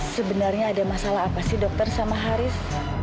sebenarnya ada masalah apa sih dokter sama haris